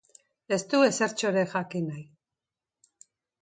Ez du ezertxo ere jakin nahi.